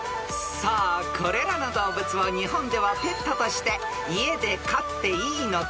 ［さあこれらの動物を日本ではペットとして家で飼っていいのか？